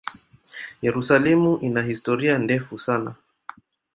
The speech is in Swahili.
Yerusalemu ina historia ndefu sana.